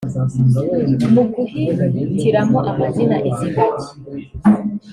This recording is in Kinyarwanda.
mu guhitiramo amazina izi ngagi